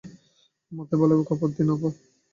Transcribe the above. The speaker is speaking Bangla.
মাথায় ভালোভাবে কাপড় দিন, আপা।